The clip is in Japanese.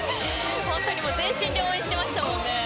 全身で応援していましたもんね。